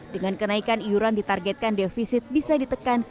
dengan kenaikan iuran ditargetkan defisit bisa ditekan